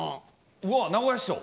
うわー、名古屋市長。